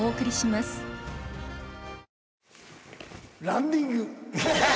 ランディング。